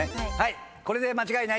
これで間違いないです。